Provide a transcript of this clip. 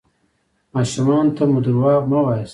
ماشومانو ته مو درواغ مه وایاست.